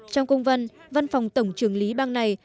trong công văn văn phòng tổng trưởng lý bang này